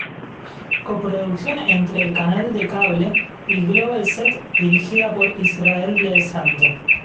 Coproducción entre el canal de Cable y Global Set dirigida por Israel del Santo.